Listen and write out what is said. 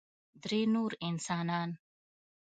درې نور انسانان